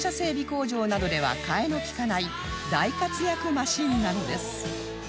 工場などでは替えの利かない大活躍マシンなんです